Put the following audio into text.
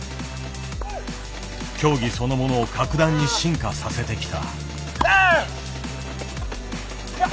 競技そのものを格段に進化させてきた。